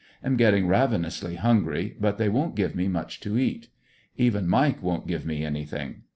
Am getting ravenously hungry, but they won't give me much to eat. Even Mike won't give me anything.